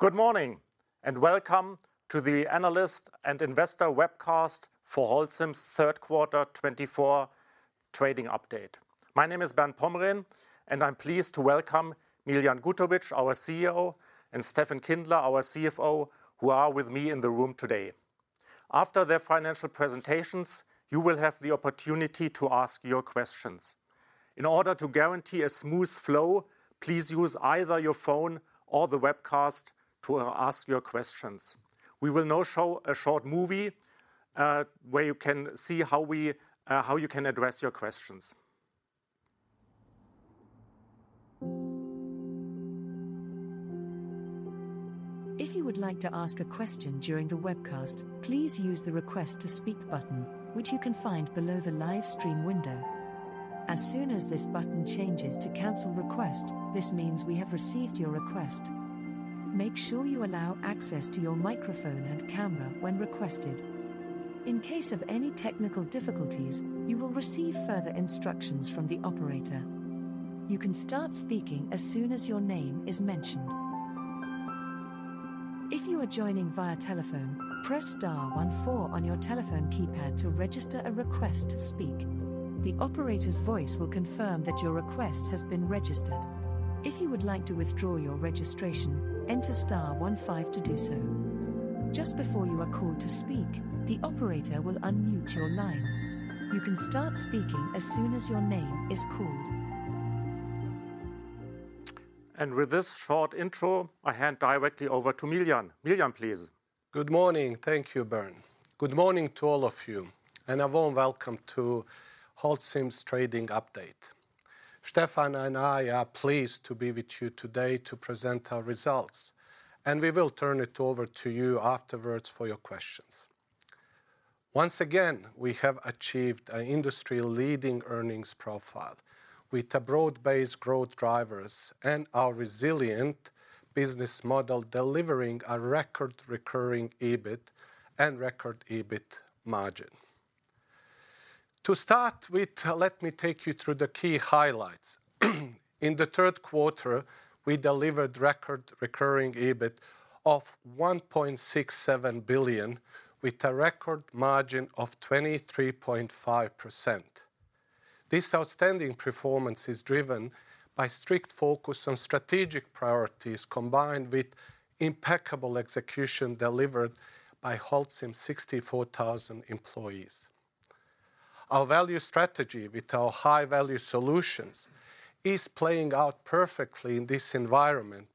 Good morning, and welcome to the analyst and investor webcast for Holcim's third quarter 2024 trading update. My name is Bernd Pomrehn, and I'm pleased to welcome Miljan Gutovic, our CEO, and Steffen Kindler, our CFO, who are with me in the room today. After their financial presentations, you will have the opportunity to ask your questions. In order to guarantee a smooth flow, please use either your phone or the webcast to ask your questions. We will now show a short movie, where you can see how you can address your questions. If you would like to ask a question during the webcast, please use the Request to Speak button, which you can find below the live stream window. As soon as this button changes to Cancel Request, this means we have received your request. Make sure you allow access to your microphone and camera when requested. In case of any technical difficulties, you will receive further instructions from the operator. You can start speaking as soon as your name is mentioned. If you are joining via telephone, press star one four on your telephone keypad to register a request to speak. The operator's voice will confirm that your request has been registered. If you would like to withdraw your registration, enter star one five to do so. Just before you are called to speak, the operator will unmute your line. You can start speaking as soon as your name is called. With this short intro, I hand directly over to Miljan. Miljan, please. Good morning. Thank you, Bernd. Good morning to all of you, and a warm welcome to Holcim's trading update. Steffen and I are pleased to be with you today to present our results, and we will turn it over to you afterwards for your questions. Once again, we have achieved an industry-leading earnings profile with a broad-based growth drivers and our resilient business model delivering a record recurring EBIT and record EBIT margin. To start with, let me take you through the key highlights. In the third quarter, we delivered record recurring EBIT of 1.67 billion, with a record margin of 23.5%. This outstanding performance is driven by strict focus on strategic priorities, combined with impeccable execution delivered by Holcim's 64,000 employees. Our value strategy with our high-value solutions is playing out perfectly in this environment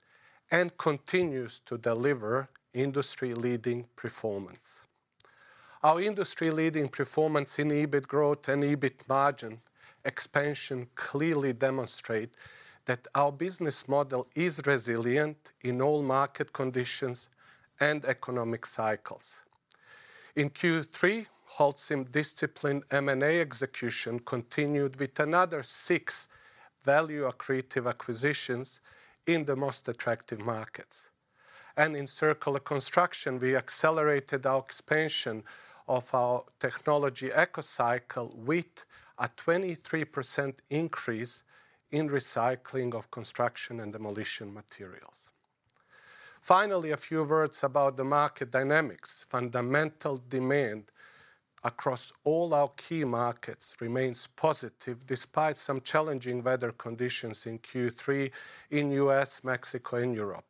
and continues to deliver industry-leading performance. Our industry-leading performance in EBIT growth and EBIT margin expansion clearly demonstrate that our business model is resilient in all market conditions and economic cycles. In Q3, Holcim's disciplined M&A execution continued with another six value-accretive acquisitions in the most attractive markets. And in circular construction, we accelerated our expansion of our technology ECOCycle, with a 23% increase in recycling of construction and demolition materials. Finally, a few words about the market dynamics. Fundamental demand across all our key markets remains positive, despite some challenging weather conditions in Q3 in U.S., Mexico, and Europe.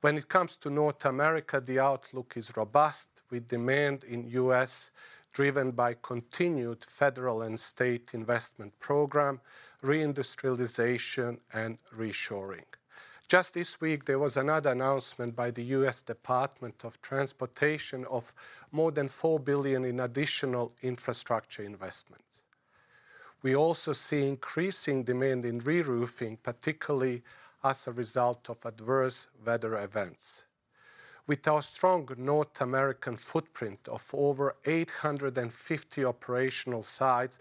When it comes to North America, the outlook is robust, with demand in U.S. driven by continued federal and state investment program, reindustrialization, and reshoring. Just this week, there was another announcement by the U.S. Department of Transportation of more than $4 billion in additional infrastructure investments. We also see increasing demand in reroofing, particularly as a result of adverse weather events. With our strong North American footprint of over 850 operational sites,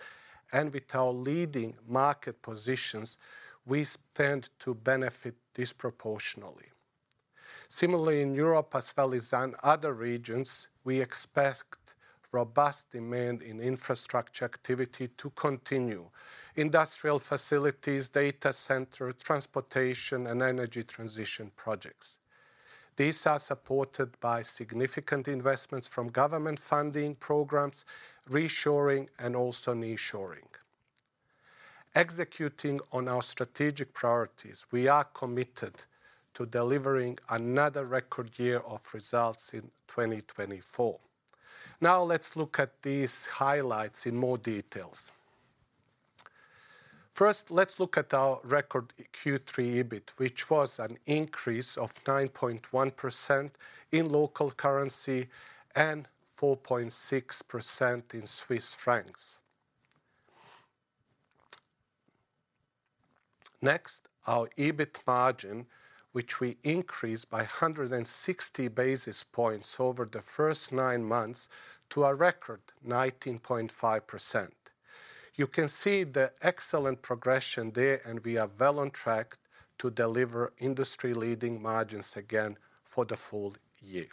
and with our leading market positions, we stand to benefit disproportionately. Similarly, in Europe, as well as in other regions, we expect robust demand in infrastructure activity to continue. Industrial facilities, data center, transportation, and energy transition projects. These are supported by significant investments from government funding programs, reshoring, and also nearshoring. Executing on our strategic priorities, we are committed to delivering another record year of results in 2024. Now, let's look at these highlights in more details. First, let's look at our record Q3 EBIT, which was an increase of 9.1% in local currency and 4.6% in CHF. Next, our EBIT margin, which we increased by 160 basis points over the first nine months to a record 19.5%. You can see the excellent progression there, and we are well on track to deliver industry-leading margins again for the full year.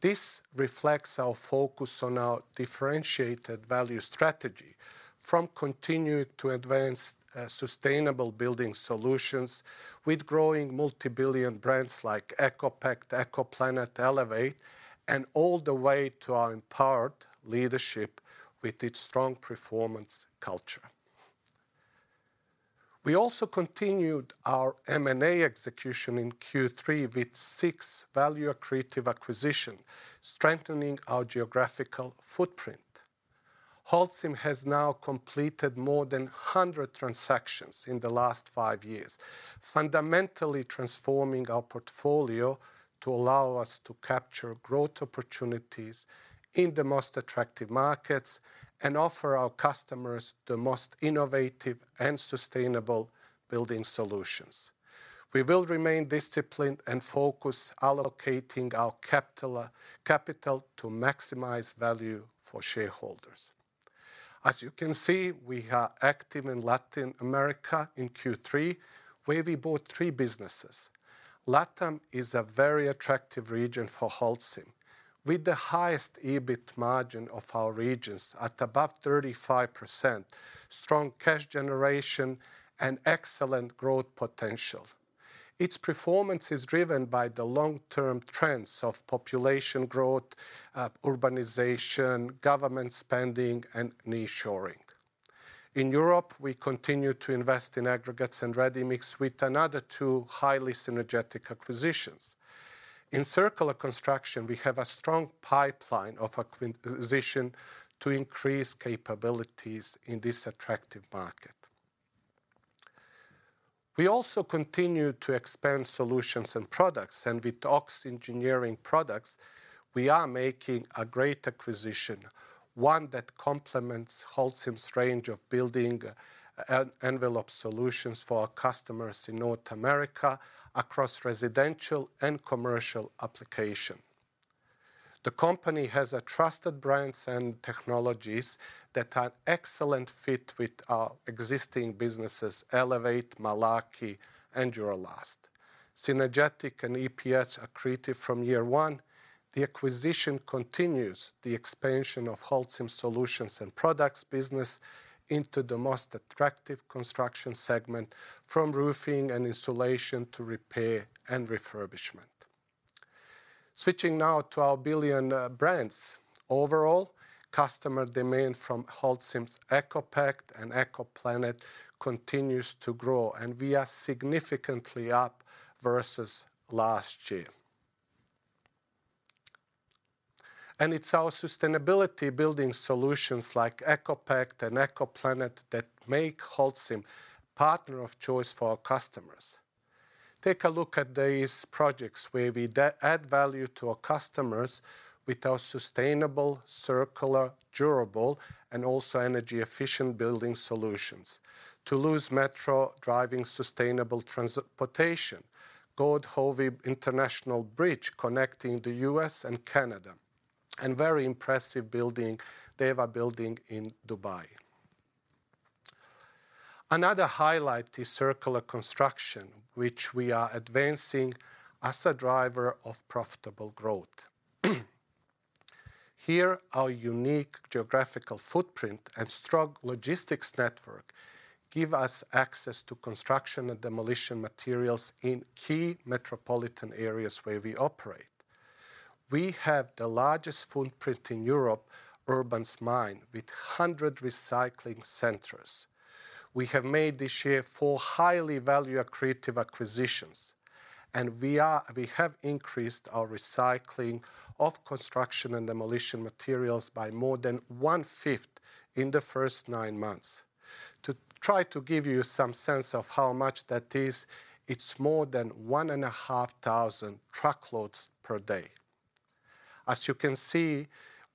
This reflects our focus on our differentiated value strategy, from continuing to advance sustainable building solutions with growing multi-billion brands like ECOPact, ECOPlanet, Elevate, and all the way to our empowered leadership with its strong performance culture. We also continued our M&A execution in Q3 with six value-accretive acquisitions, strengthening our geographical footprint. Holcim has now completed more than 100 transactions in the last five years, fundamentally transforming our portfolio to allow us to capture growth opportunities in the most attractive markets and offer our customers the most innovative and sustainable building solutions. We will remain disciplined and focused, allocating our capital to maximize value for shareholders. As you can see, we are active in Latin America in Q3, where we bought three businesses. LATAM is a very attractive region for Holcim, with the highest EBIT margin of our regions at above 35%, strong cash generation, and excellent growth potential. Its performance is driven by the long-term trends of population growth, urbanization, government spending, and nearshoring. In Europe, we continue to invest in aggregates and ready-mix with another two highly synergistic acquisitions. In circular construction, we have a strong pipeline of acquisition to increase capabilities in this attractive market. We also continue to expand solutions and products, and with OX Engineered Products, we are making a great acquisition, one that complements Holcim's range of building envelope solutions for our customers in North America across residential and commercial application. The company has trusted brands and technologies that are an excellent fit with our existing businesses, Elevate, Malarkey, and Duro-Last. Synergistic and EPS accretive from year one, the acquisition continues the expansion of Holcim's solutions and products business into the most attractive construction segment, from roofing and insulation to repair and refurbishment. Switching now to our billion brands. Overall, customer demand for Holcim's ECOPact and ECOPlanet continues to grow, and we are significantly up versus last year, and it's our sustainability building solutions like ECOPact and ECOPlanet that make Holcim partner of choice for our customers. Take a look at these projects where we add value to our customers with our sustainable, circular, durable, and also energy-efficient building solutions. Toulouse Metro, driving sustainable transportation. Gordie Howe International Bridge, connecting the U.S. and Canada. And very impressive building, DEWA building in Dubai. Another highlight is circular construction, which we are advancing as a driver of profitable growth. Here, our unique geographical footprint and strong logistics network give us access to construction and demolition materials in key metropolitan areas where we operate. We have the largest footprint in Europe's urban mine with 100 recycling centers. We have made this year four highly value accretive acquisitions, and we have increased our recycling of construction and demolition materials by more than one-fifth in the first nine months. To try to give you some sense of how much that is, it's more than 1,500 truckloads per day. As you can see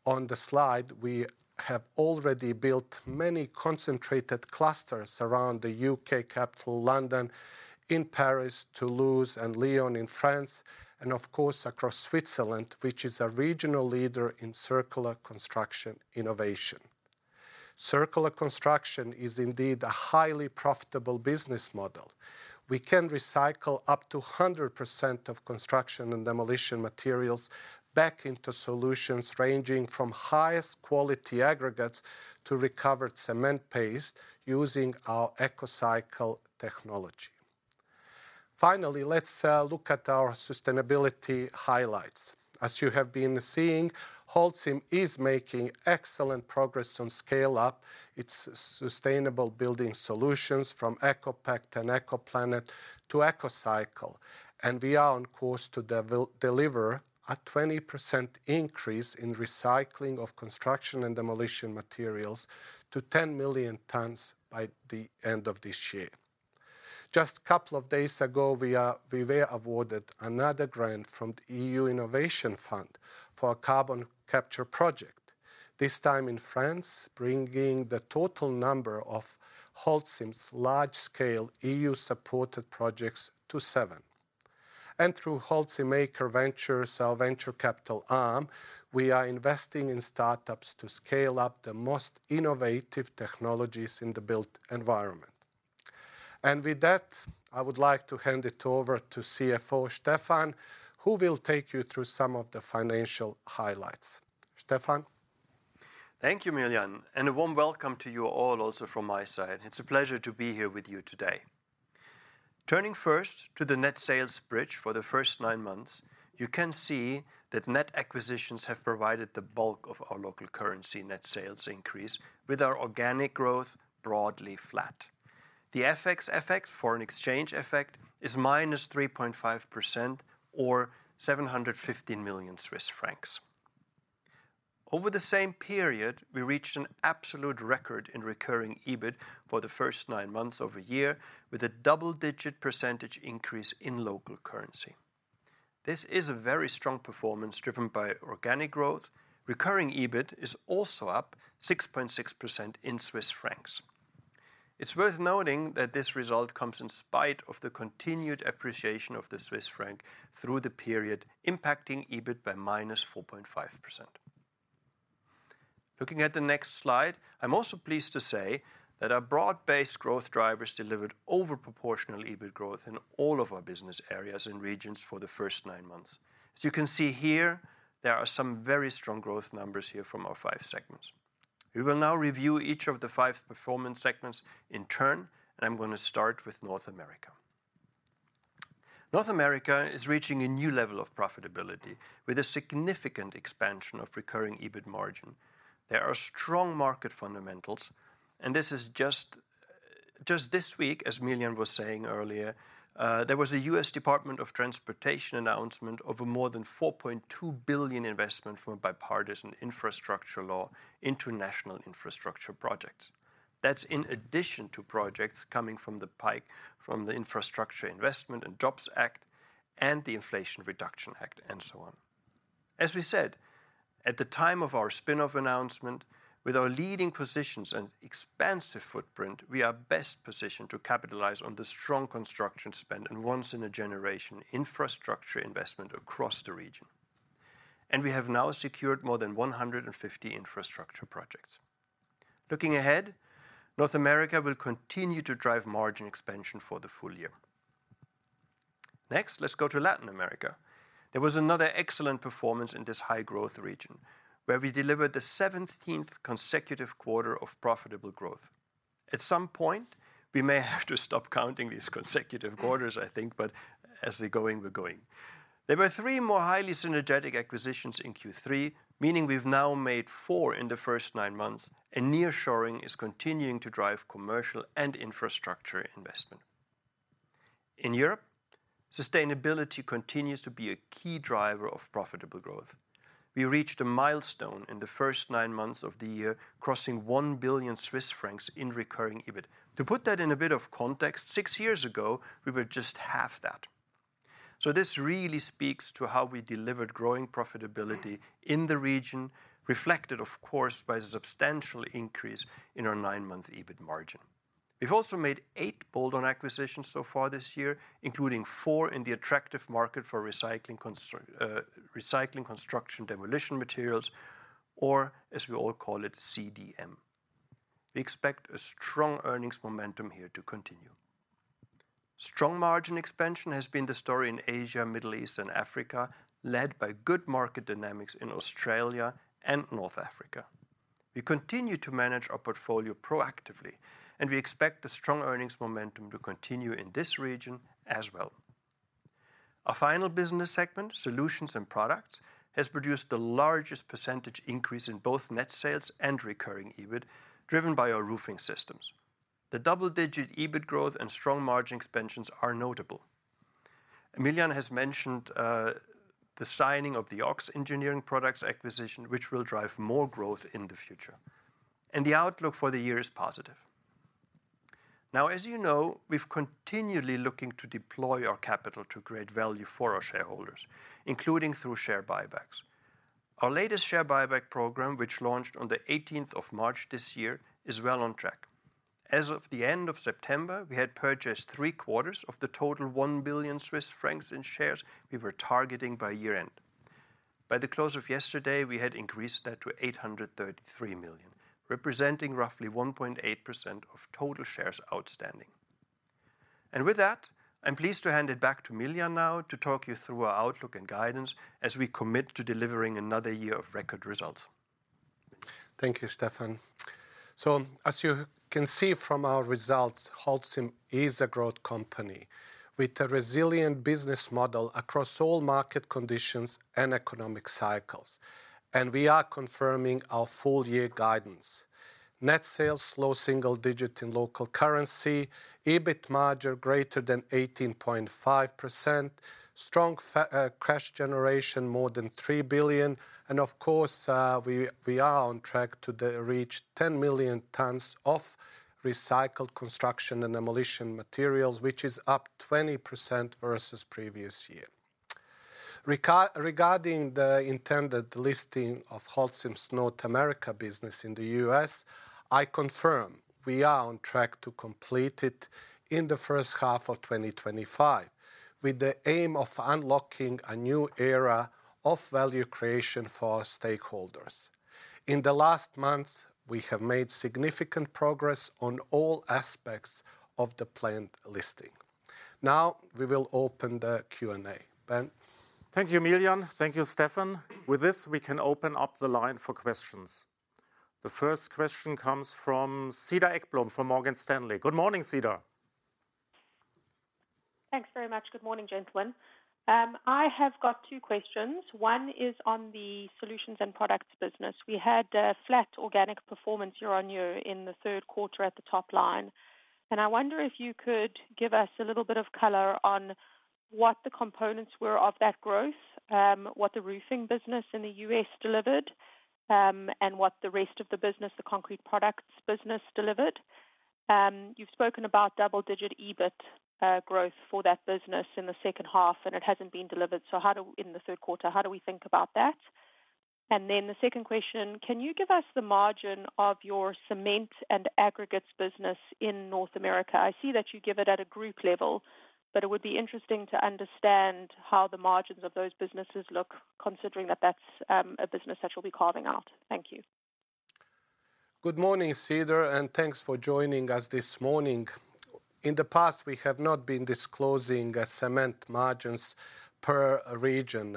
on the slide, we have already built many concentrated clusters around the UK capital, London, in Paris, Toulouse, and Lyon in France, and of course, across Switzerland, which is a regional leader in circular construction innovation. Circular construction is indeed a highly profitable business model. We can recycle up to 100% of construction and demolition materials back into solutions ranging from highest quality aggregates to recovered cement paste using our ECOCycle technology. Finally, let's look at our sustainability highlights. As you have been seeing, Holcim is making excellent progress on scale up its sustainable building solutions from ECOPact to ECOPlanet to ECOCycle, and we are on course to deliver a 20% increase in recycling of construction and demolition materials to 10 million tons by the end of this year. Just couple of days ago, we were awarded another grant from the EU Innovation Fund for a carbon capture project, this time in France, bringing the total number of Holcim's large-scale EU-supported projects to seven. And through Holcim MAQER Ventures, our venture capital arm, we are investing in startups to scale up the most innovative technologies in the built environment. And with that, I would like to hand it over to CFO Steffen, who will take you through some of the financial highlights. Steffen? Thank you, Miljan, and a warm welcome to you all also from my side. It's a pleasure to be here with you today. Turning first to the net sales bridge for the first nine months, you can see that net acquisitions have provided the bulk of our local currency net sales increase, with our organic growth broadly flat. The FX effect, foreign exchange effect, is minus 3.5% or 715 million Swiss francs. Over the same period, we reached an absolute record in recurring EBIT for the first nine months of a year, with a double-digit % increase in local currency. This is a very strong performance, driven by organic growth. Recurring EBIT is also up 6.6% in Swiss francs. It's worth noting that this result comes in spite of the continued appreciation of the Swiss franc through the period, impacting EBIT by minus 4.5%. Looking at the next slide, I'm also pleased to say that our broad-based growth drivers delivered over-proportional EBIT growth in all of our business areas and regions for the first nine months. As you can see here, there are some very strong growth numbers here from our five segments. We will now review each of the five performance segments in turn, and I'm going to start with North America. North America is reaching a new level of profitability, with a significant expansion of recurring EBIT margin. There are strong market fundamentals, and this is just this week, as Miljan was saying earlier, there was a U.S. Department of Transportation announcement of a more than $4.2 billion investment from a Bipartisan Infrastructure Law into national infrastructure projects. That's in addition to projects coming from the pipe, from the Infrastructure Investment and Jobs Act, and the Inflation Reduction Act, and so on. As we said, at the time of our spin-off announcement, with our leading positions and expansive footprint, we are best positioned to capitalize on the strong construction spend and once-in-a-generation infrastructure investment across the region. And we have now secured more than 150 infrastructure projects. Looking ahead, North America will continue to drive margin expansion for the full year. Next, let's go to Latin America. There was another excellent performance in this high-growth region, where we delivered the 17th consecutive quarter of profitable growth. At some point, we may have to stop counting these consecutive quarters, I think, but as they're going, we're going. There were three more highly synergetic acquisitions in Q3, meaning we've now made four in the first nine months, and nearshoring is continuing to drive commercial and infrastructure investment. In Europe, sustainability continues to be a key driver of profitable growth. We reached a milestone in the first nine months of the year, crossing 1 billion Swiss francs in recurring EBIT. To put that in a bit of context, six years ago, we were just half that. So this really speaks to how we delivered growing profitability in the region, reflected, of course, by a substantial increase in our nine-month EBIT margin. We've also made eight bolt-on acquisitions so far this year, including four in the attractive market for recycling construction demolition materials, or, as we all call it, CDM. We expect a strong earnings momentum here to continue. Strong margin expansion has been the story in Asia, Middle East, and Africa, led by good market dynamics in Australia and North Africa. We continue to manage our portfolio proactively, and we expect the strong earnings momentum to continue in this region as well. Our final business segment, solutions and products, has produced the largest percentage increase in both net sales and recurring EBIT, driven by our roofing systems. The double-digit EBIT growth and strong margin expansions are notable. Miljan has mentioned the signing of the OX Engineered Products acquisition, which will drive more growth in the future, and the outlook for the year is positive. Now, as you know, we've continually looking to deploy our capital to create value for our shareholders, including through share buybacks. Our latest share buyback program, which launched on the 18th of March this year, is well on track. As of the end of September, we had purchased three-quarters of the total 1 billion Swiss francs in shares we were targeting by year-end. By the close of yesterday, we had increased that to 833 million, representing roughly 1.8% of total shares outstanding, and with that, I'm pleased to hand it back to Miljan now to talk you through our outlook and guidance as we commit to delivering another year of record results. Thank you, Steffen. So as you can see from our results, Holcim is a growth company with a resilient business model across all market conditions and economic cycles, and we are confirming our full-year guidance. Net sales, low single digit in local currency, EBIT margin greater than 18.5%, strong cash generation, more than 3 billion, and of course, we are on track to reach 10 million tons of recycled construction and demolition materials, which is up 20% versus previous year. Regarding the intended listing of Holcim's North America business in the U.S., I confirm we are on track to complete it in the first half of 2025, with the aim of unlocking a new era of value creation for our stakeholders. In the last month, we have made significant progress on all aspects of the planned listing. Now we will open the Q&A. Bernd? Thank you, Miljan. Thank you, Steffen. With this, we can open up the line for questions. The first question comes from Cedar Ekblom from Morgan Stanley. Good morning, Cedar. Thanks very much. Good morning, gentlemen. I have got two questions. One is on the solutions and products business. We had a flat organic performance year-on-year in the third quarter at the top line, and I wonder if you could give us a little bit of color on what the components were of that growth, what the roofing business in the U.S. delivered, and what the rest of the business, the concrete products business, delivered. You've spoken about double-digit EBIT growth for that business in the second half, and it hasn't been delivered, so in the third quarter, how do we think about that? And then the second question: Can you give us the margin of your cement and aggregates business in North America? I see that you give it at a group level, but it would be interesting to understand how the margins of those businesses look, considering that that's a business that you'll be carving out. Thank you. Good morning, Cedar, and thanks for joining us this morning. In the past, we have not been disclosing, cement margins per region,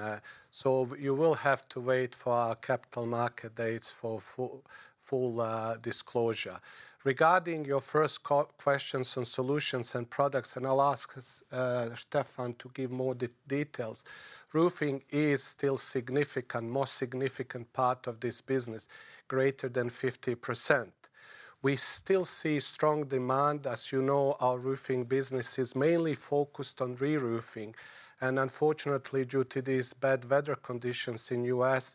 so you will have to wait for our capital market dates for full disclosure. Regarding your first questions on solutions and products, and I'll ask, Steffen, to give more details. Roofing is still significant, most significant part of this business, greater than 50%. We still see strong demand. As you know, our roofing business is mainly focused on reroofing, and unfortunately, due to these bad weather conditions in U.S.,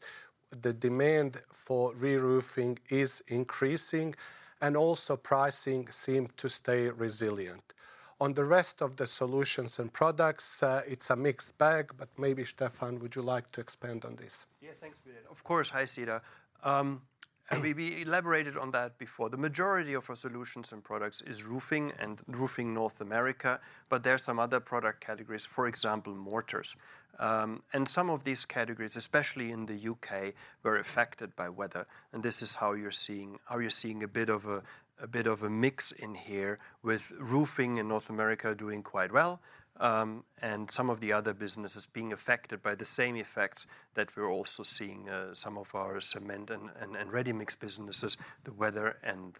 the demand for reroofing is increasing, and also pricing seem to stay resilient. On the rest of the solutions and products, it's a mixed bag, but maybe, Steffen, would you like to expand on this? Yeah, thanks, Miljan. Of course. Hi, Cedar. We elaborated on that before. The majority of our solutions and products is roofing and roofing North America, but there are some other product categories, for example, mortars. And some of these categories, especially in the UK, were affected by weather, and this is how you're seeing a bit of a mix in here, with roofing in North America doing quite well, and some of the other businesses being affected by the same effects that we're also seeing, some of our cement and ready-mix businesses, the weather and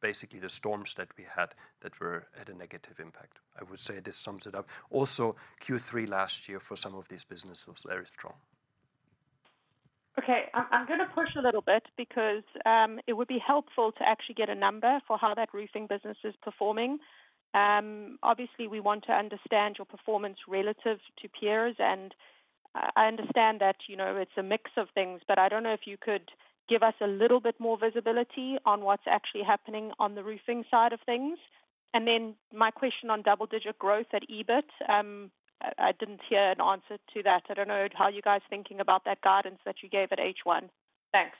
basically the storms that we had that were at a negative impact. I would say this sums it up. Also, Q3 last year for some of these business was very strong. Okay, I'm gonna push a little bit because it would be helpful to actually get a number for how that roofing business is performing. Obviously, we want to understand your performance relative to peers, and I understand that, you know, it's a mix of things, but I don't know if you could give us a little bit more visibility on what's actually happening on the roofing side of things. And then, my question on double-digit growth at EBIT, I didn't hear an answer to that. I don't know how you guys are thinking about that guidance that you gave at H1. Thanks.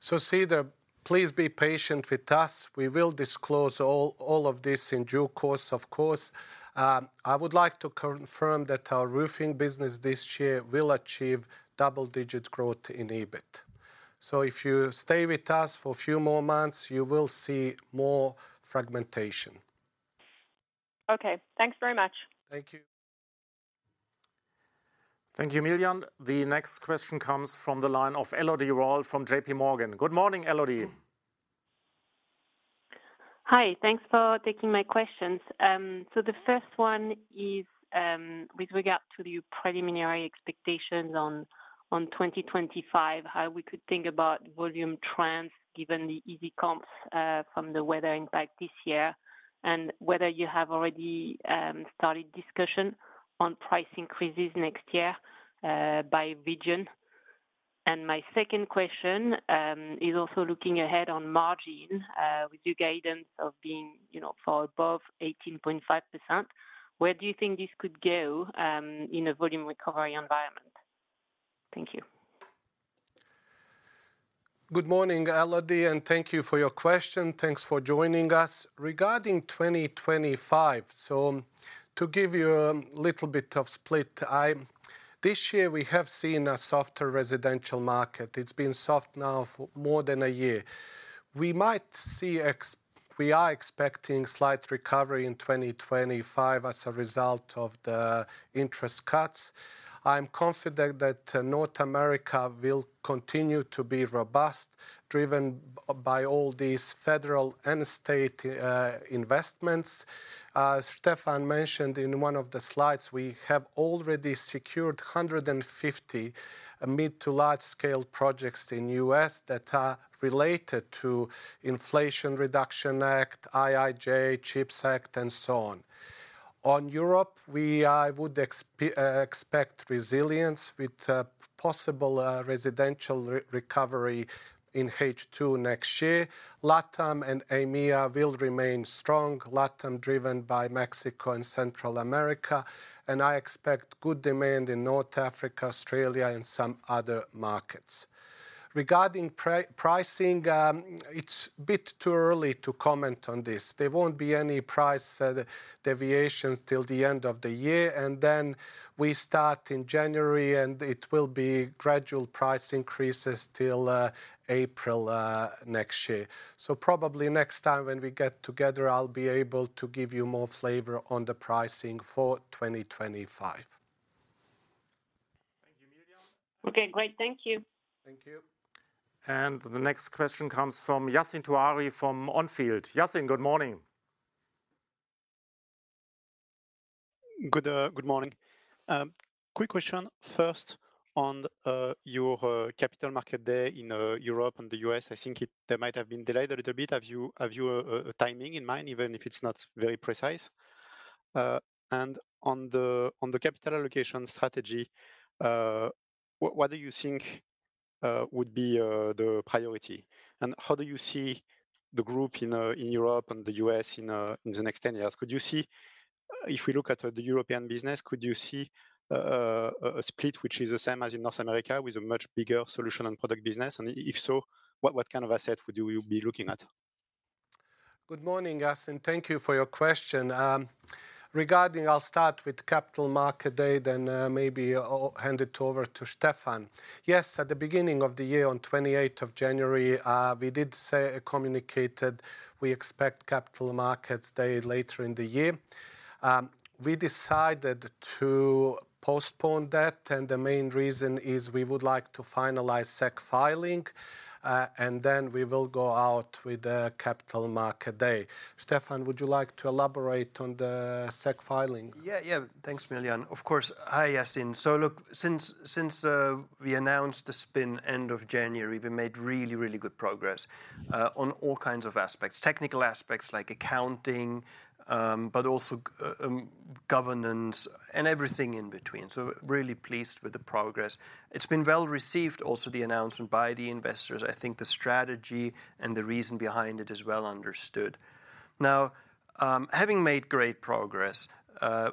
Cedar, please be patient with us. We will disclose all, all of this in due course, of course. I would like to confirm that our roofing business this year will achieve double-digit growth in EBIT. If you stay with us for a few more months, you will see more fragmentation. Okay, thanks very much. Thank you. Thank you, Miljan. The next question comes from the line of Elodie Rall from J.P. Morgan. Good morning, Elodie. Hi, thanks for taking my questions. So the first one is, with regard to the preliminary expectations on 2025, how we could think about volume trends, given the easy comps, from the weather impact this year, and whether you have already started discussion on price increases next year, by region? And my second question is also looking ahead on margin, with your guidance of being, you know, far above 18.5%, where do you think this could go, in a volume recovery environment? Thank you. Good morning, Elodie, and thank you for your question. Thanks for joining us. Regarding twenty twenty-five, so to give you a little bit of split. This year, we have seen a softer residential market. It's been soft now for more than a year. We might see we are expecting slight recovery in twenty twenty-five as a result of the interest cuts. I'm confident that North America will continue to be robust, driven by all these federal and state investments. Steffen mentioned in one of the slides, we have already secured 150 mid to large-scale projects in U.S. that are related to Inflation Reduction Act, IIJA, CHIPS Act, and so on. On Europe, we would expect resilience with possible residential recovery in H2 next year. LATAM and EMEA will remain strong, LATAM driven by Mexico and Central America, and I expect good demand in North Africa, Australia, and some other markets. Regarding pricing, it's a bit too early to comment on this. There won't be any price deviations till the end of the year, and then we start in January, and it will be gradual price increases till April next year. So probably next time when we get together, I'll be able to give you more flavor on the pricing for 2025.. Okay, great. Thank you. Thank you. The next question comes from Yassine Touahri from Onfield. Yassine, good morning! Good, good morning. Quick question first on, your, Capital Markets Day in, Europe and the U.S. I think it, they might have been delayed a little bit. Have you a timing in mind, even if it's not very precise? And on the capital allocation strategy, what do you think would be the priority? And how do you see the group in Europe and the US in the next 10 years? Could you see... If we look at the European business, could you see a split which is the same as in North America, with a much bigger solution and product business? And if so, what kind of asset would you be looking at? Good morning, Yassine. Thank you for your question. Regarding, I'll start with Capital Markets Day, then, maybe I'll hand it over to Steffen. Yes, at the beginning of the year, on 28th of January, we did say, communicated we expect Capital Markets Day later in the year. We decided to postpone that, and the main reason is we would like to finalize SEC filing, and then we will go out with a Capital Markets Day. Steffen, would you like to elaborate on the SEC filing? Yeah, yeah. Thanks, Miljan. Of course. Hi, Yassine. So look, since we announced the spin end of January, we made really, really good progress on all kinds of aspects. Technical aspects like accounting, but also governance and everything in between, so really pleased with the progress. It's been well-received also, the announcement by the investors. I think the strategy and the reason behind it is well understood. Now, having made great progress,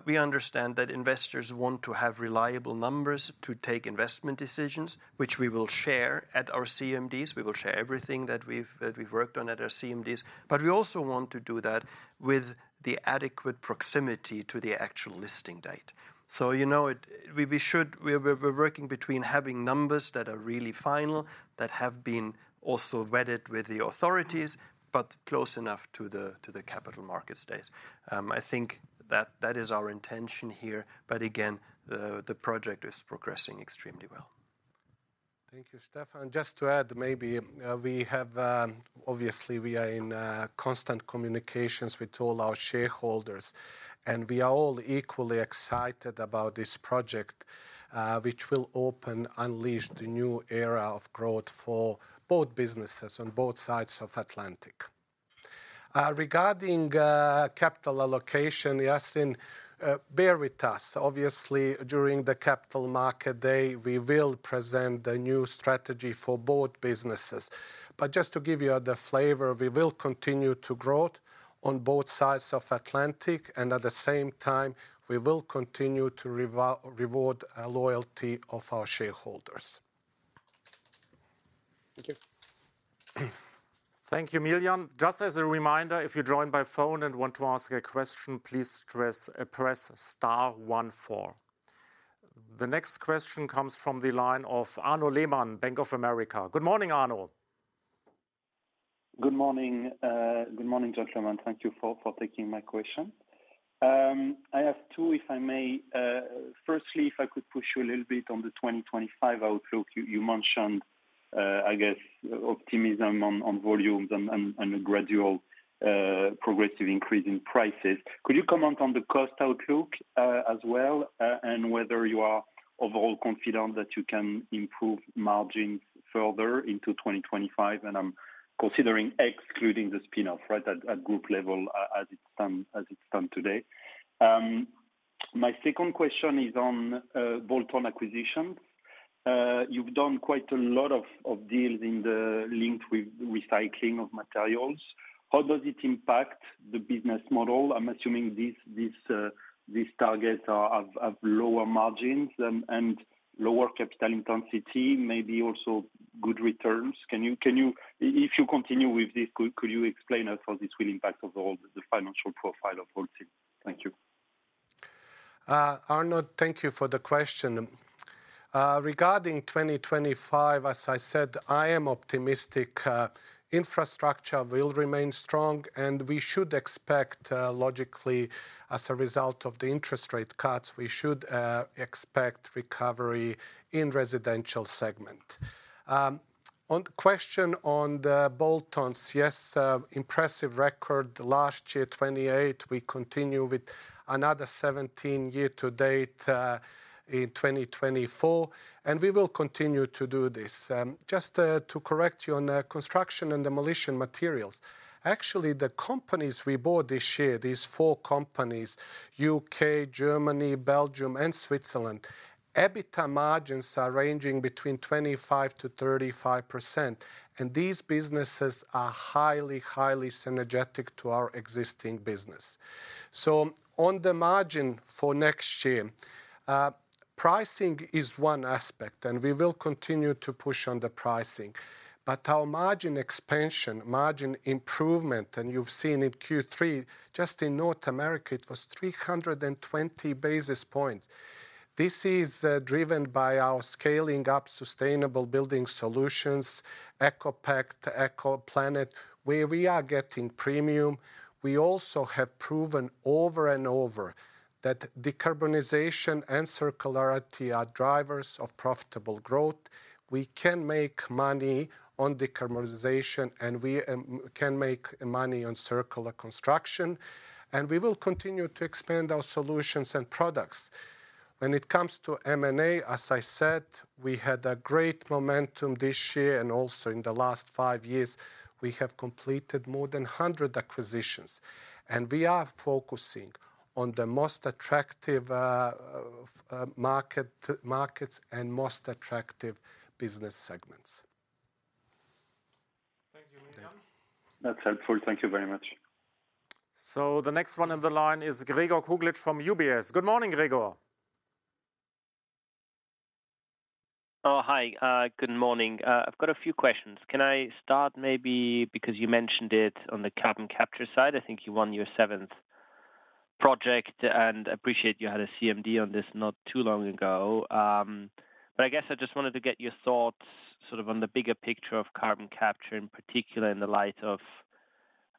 we understand that investors want to have reliable numbers to take investment decisions, which we will share at our CMDs. We will share everything that we've worked on at our CMDs, but we also want to do that with the adequate proximity to the actual listing date. So, you know, we should. We're working between having numbers that are really final, that have been also vetted with the authorities, but close enough to the capital markets days. I think that is our intention here, but again, the project is progressing extremely well. Thank you, Steffen. Just to add, maybe, we have... Obviously, we are in constant communications with all our shareholders, and we are all equally excited about this project, which will open, unleash the new era of growth for both businesses on both sides of Atlantic. Regarding capital allocation, Yassine, bear with us. Obviously, during the Capital Markets Day, we will present the new strategy for both businesses. But just to give you the flavor, we will continue to grow on both sides of Atlantic, and at the same time, we will continue to reward our loyalty of our shareholders. Thank you. Thank you, Miljan. Just as a reminder, if you're joined by phone and want to ask a question, please press star one four. The next question comes from the line of Arnaud Lehmann, Bank of America. Good morning, Arnaud. Good morning. Good morning, gentlemen. Thank you for taking my question. I have two, if I may. Firstly, if I could push you a little bit on the 2025 outlook. You mentioned, I guess, optimism on volumes and a gradual progressive increase in prices. Could you comment on the cost outlook, as well, and whether you are overall confident that you can improve margins further into 2025? And I'm considering excluding the spin-off, right at group level, as it stands today. My second question is on bolt-on acquisition. You've done quite a lot of deals in the linked with recycling of materials. How does it impact the business model? I'm assuming these targets have lower margins and lower capital intensity, maybe also good returns. Can you, if you continue with this, could you explain us how this will impact overall the financial profile of Holcim? Thank you. Arnaud, thank you for the question. Regarding 2025, as I said, I am optimistic. Infrastructure will remain strong, and we should expect, logically, as a result of the interest rate cuts, we should expect recovery in residential segment. On the question on the bolt-ons, yes, impressive record last year, 28. We continue with another 17 year to date in 2024, and we will continue to do this. Just to correct you on construction and demolition materials, actually, the companies we bought this year, these four companies, UK, Germany, Belgium and Switzerland, EBITDA margins are ranging between 25%-35%, and these businesses are highly, highly synergetic to our existing business. So on the margin for next year, pricing is one aspect, and we will continue to push on the pricing. But our margin expansion, margin improvement, and you've seen in Q3, just in North America, it was 320 basis points. This is driven by our scaling up sustainable building solutions, ECOPact to ECOPlanet, where we are getting premium. We also have proven over and over that decarbonization and circularity are drivers of profitable growth. We can make money on decarbonization, and we can make money on circular construction, and we will continue to expand our solutions and products. When it comes to M&A, as I said, we had a great momentum this year, and also in the last five years, we have completed more than 100 acquisitions, and we are focusing on the most attractive markets and most attractive business segments. Thank you, Miljan. That's helpful. Thank you very much. So the next one on the line is Gregor Kuglitsch from UBS. Good morning, Gregor. Good morning. I've got a few questions. Can I start maybe because you mentioned it on the carbon capture side? I think you won your seventh project, and I appreciate you had a CMD on this not too long ago. But I guess I just wanted to get your thoughts sort of on the bigger picture of carbon capture, in particular, in the light of,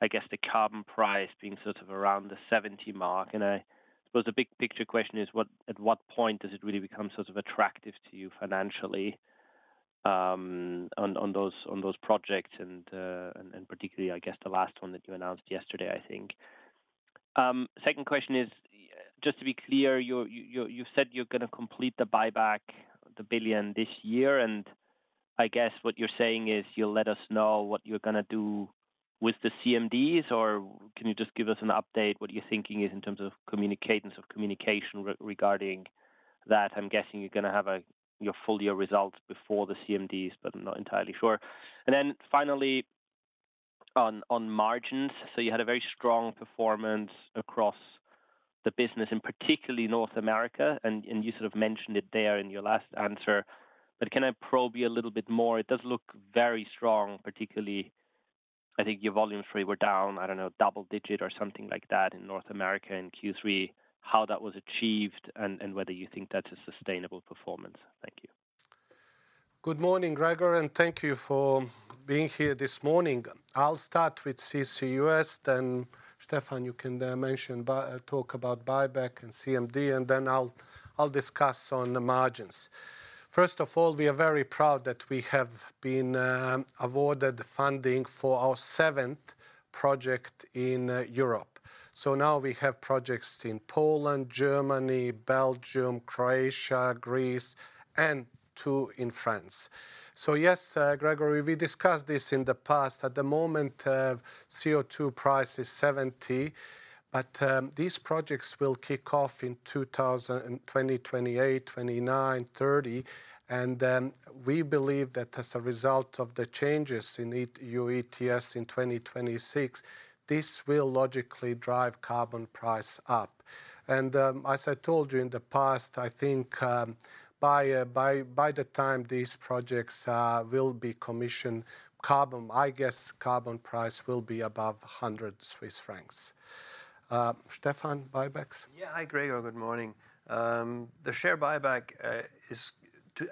I guess, the carbon price being sort of around the 70 mark. And I suppose the big picture question is, at what point does it really become sort of attractive to you financially, on those projects, and particularly, I guess, the last one that you announced yesterday, I think. Second question is, just to be clear, you said you're going to complete the buyback, the billion, this year, and I guess what you're saying is you'll let us know what you're going to do with the CMDs? Or can you just give us an update what your thinking is in terms of communication regarding that? I'm guessing you're going to have your full year results before the CMDs, but I'm not entirely sure. And then finally, on margins, so you had a very strong performance across the business, and particularly North America, and you sort of mentioned it there in your last answer. But can I probe you a little bit more? It does look very strong, particularly. I think your volumes really were down, I don't know, double digit or something like that in North America in Q3. How that was achieved and whether you think that's a sustainable performance? Thank you. Good morning, Gregor, and thank you for being here this morning. I'll start with CCUS, then Steffen, you can mention buyback and CMD, and then I'll discuss on the margins. First of all, we are very proud that we have been awarded the funding for our seventh project in Europe. So now we have projects in Poland, Germany, Belgium, Croatia, Greece, and two in France. So yes, Gregor, we discussed this in the past. At the moment, CO2 price is 70, but these projects will kick off in 2027, 2028, 2029, and 2030, and then we believe that as a result of the changes in EU ETS in 2026, this will logically drive carbon price up. As I told you in the past, I think, by the time these projects will be commissioned, I guess carbon price will be above 100 Swiss francs. Steffen, buybacks? Yeah. Hi, Gregor, good morning. The share buyback is.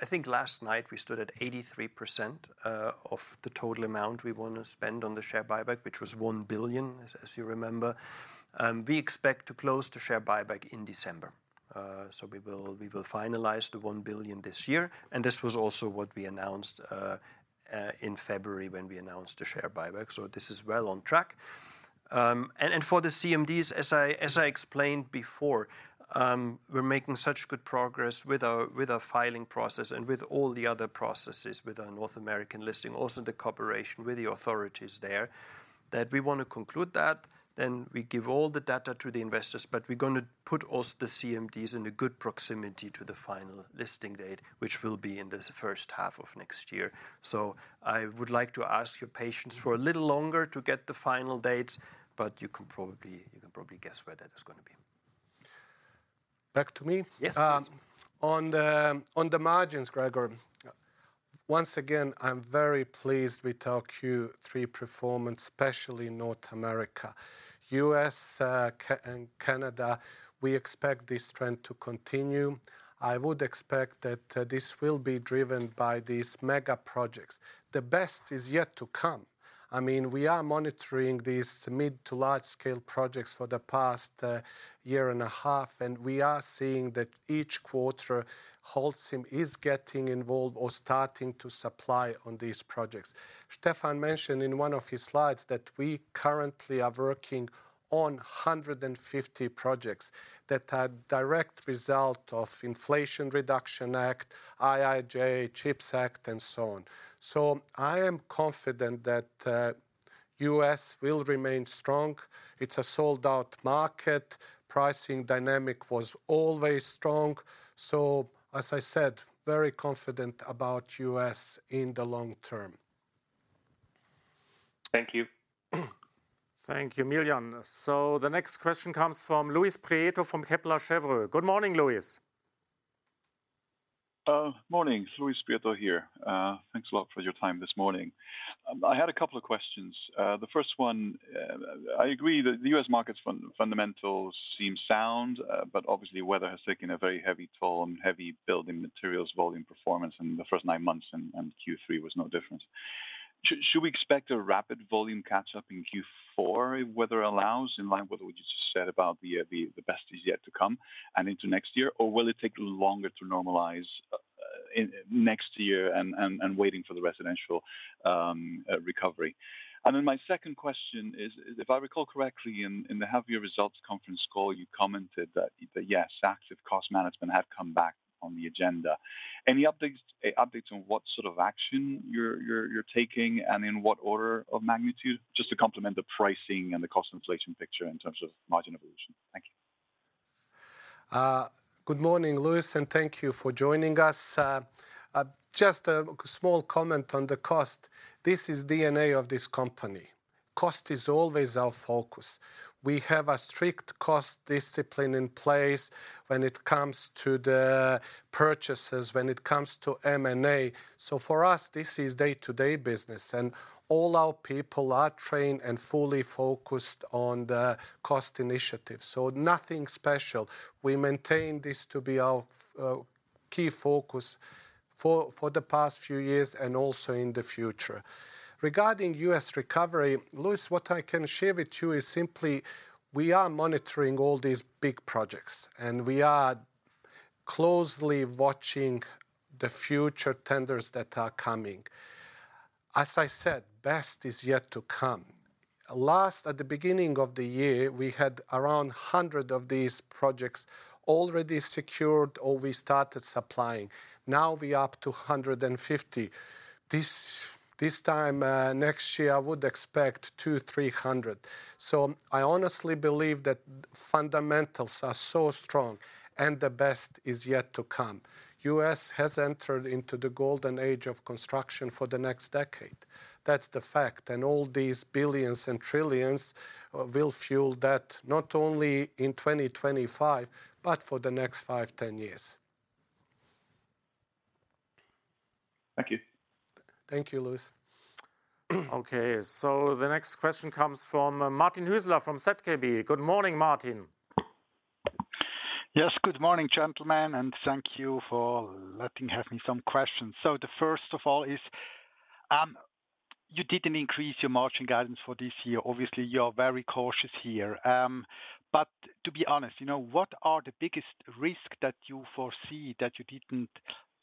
I think last night we stood at 83% of the total amount we want to spend on the share buyback, which was 1 billion, as you remember. We expect to close the share buyback in December. So we will finalize the 1 billion this year, and this was also what we announced in February when we announced the share buyback. So this is well on track. For the CMDs, as I explained before, we're making such good progress with our filing process and with all the other processes with our North American listing, also the cooperation with the authorities there, that we want to conclude that, then we give all the data to the investors. But we're going to put also the CMDs in a good proximity to the final listing date, which will be in the first half of next year. So I would like to ask your patience for a little longer to get the final dates, but you can probably guess where that is going to be. Back to me? Yes, please. On the margins, Gregor, once again, I'm very pleased with our Q3 performance, especially in North America. U.S. and Canada, we expect this trend to continue. I would expect that this will be driven by these mega projects. The best is yet to come. I mean, we are monitoring these mid- to large-scale projects for the past year and a half, and we are seeing that each quarter, Holcim is getting involved or starting to supply on these projects. Steffen mentioned in one of his slides that we currently are working on 150 projects that are a direct result of Inflation Reduction Act, IIJA, CHIPS Act, and so on. So I am confident that U.S. will remain strong. It's a sold-out market. Pricing dynamic was always strong. So as I said, very confident about U.S. in the long term.... Thank you. Thank you, Miljan. So the next question comes from Luis Prieto from Kepler Cheuvreux. Good morning, Luis. Morning, Luis Prieto here. Thanks a lot for your time this morning. I had a couple of questions. The first one, I agree that the US markets fundamentals seem sound, but obviously weather has taken a very heavy toll on heavy building materials, volume, performance in the first nine months, and Q3 was no different. Should we expect a rapid volume catch-up in Q4 if weather allows, in line with what you just said about the best is yet to come and into next year? Or will it take longer to normalize, in next year and waiting for the residential recovery? My second question is if I recall correctly, in the half-year results conference call, you commented that "Yes, active cost management had come back on the agenda." Any updates on what sort of action you're taking, and in what order of magnitude, just to complement the pricing and the cost inflation picture in terms of margin evolution? Thank you. Good morning, Luis, and thank you for joining us. Just a small comment on the cost. This is DNA of this company. Cost is always our focus. We have a strict cost discipline in place when it comes to the purchases, when it comes to M&A. So for us, this is day-to-day business, and all our people are trained and fully focused on the cost initiatives, so nothing special. We maintain this to be our key focus for the past few years and also in the future. Regarding U.S. recovery, Luis, what I can share with you is simply we are monitoring all these big projects, and we are closely watching the future tenders that are coming. As I said, best is yet to come. Last... At the beginning of the year, we had around hundred of these projects already secured or we started supplying. Now we are up to 150. This time next year, I would expect two, three hundred. So I honestly believe that fundamentals are so strong, and the best is yet to come. U.S. has entered into the golden age of construction for the next decade. That's the fact, and all these billions and trillions will fuel that, not only in 2025, but for the next five, 10 years. Thank you. Thank you, Luis. Okay, so the next question comes from Martin Huesler from ZKB. Good morning, Martin. Yes, good morning, gentlemen, and thank you for letting me have some questions. So the first of all is, you didn't increase your margin guidance for this year. Obviously, you're very cautious here. But to be honest, you know, what are the biggest risk that you foresee that you didn't,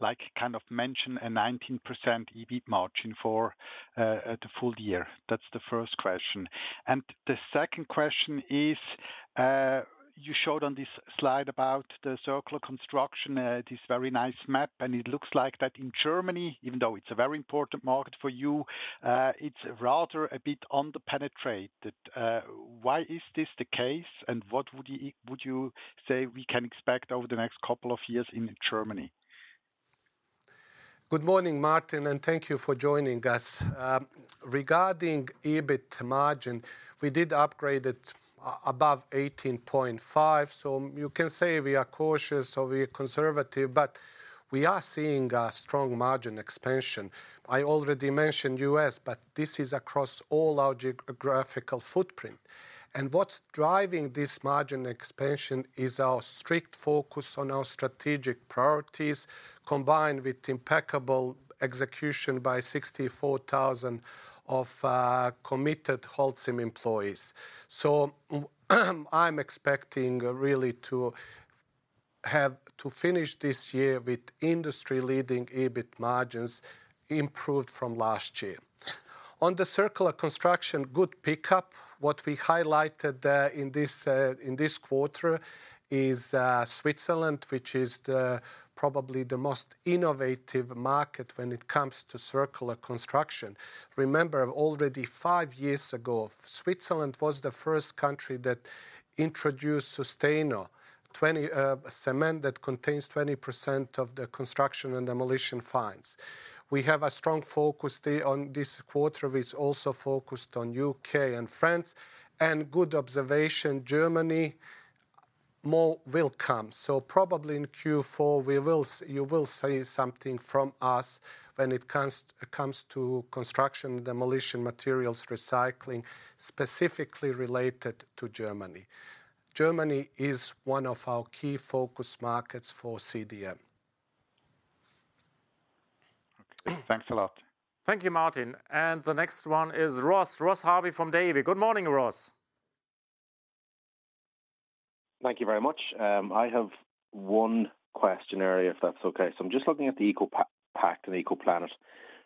like, kind of mention a 19% EBIT margin for, the full year? That's the first question. And the second question is, you showed on this slide about the circular construction, this very nice map, and it looks like that in Germany, even though it's a very important market for you, it's rather a bit under-penetrated. Why is this the case, and what would you say we can expect over the next couple of years in Germany? Good morning, Martin, and thank you for joining us. Regarding EBIT margin, we did upgrade it to above 18.5%, so you can say we are cautious or we are conservative, but we are seeing a strong margin expansion. I already mentioned U.S., but this is across all our geographical footprint. What's driving this margin expansion is our strict focus on our strategic priorities, combined with impeccable execution by 64,000 committed Holcim employees. So I'm expecting really to have to finish this year with industry-leading EBIT margins, improved from last year. On the circular construction, good pickup. What we highlighted in this quarter is Switzerland, which is probably the most innovative market when it comes to circular construction. Remember, already five years ago, Switzerland was the first country that introduced Susteno 20 cement that contains 20% of the construction and demolition fines. We have a strong focus on this quarter, which also focused on UK and France, and good observation, Germany. More will come, so probably in Q4, you will see something from us when it comes to construction demolition materials recycling, specifically related to Germany. Germany is one of our key focus markets for CDM. Okay. Thanks a lot. Thank you, Martin. And the next one is Ross. Ross Harvey from Davy. Good morning, Ross. Thank you very much. I have one question, actually, if that's okay. So I'm just looking at the ECOPact and ECOPlanet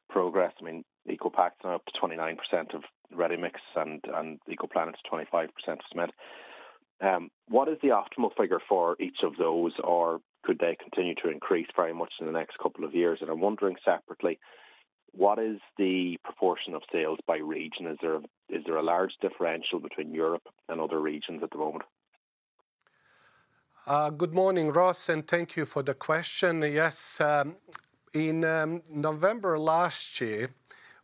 progress. I mean, ECOPact's now up to 29% of ready-mix, and ECOPlanet's 25% of cement. What is the optimal figure for each of those, or could they continue to increase very much in the next couple of years? I'm wondering separately, what is the proportion of sales by region? Is there a large differential between Europe and other regions at the moment?... Good morning, Ross, and thank you for the question. Yes, in November last year,